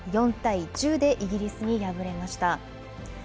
４対１０でイギリスに敗れました。